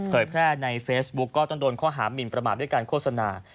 แพร่ในเฟซบุ๊กก็ต้องโดนข้อหามินประมาทด้วยการโฆษณา